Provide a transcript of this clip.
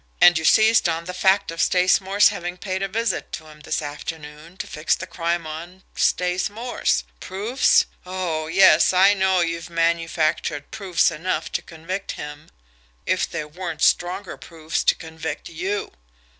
And you seized on the fact of Stace Morse having paid a visit to him this afternoon to fix the crime on Stace Morse. Proofs? Oh, yes, I know you've manufactured proofs enough to convict him if there weren't stronger proofs to convict YOU."